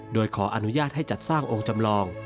โดยขออนุญาตให้จัดสร้างองค์จำลอง